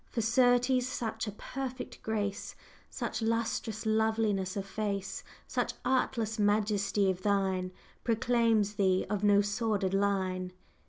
For, certes, such a perfect grace, Such lustrous loveliness of face, Such artless majesty as thine Proclaims thee of no sordid line!"